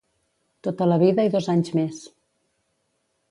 Tota la vida i dos anys més.